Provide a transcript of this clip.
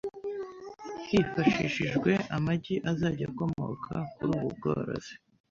hifashishijwe amagi azajya akomoka kuri ubu bworozi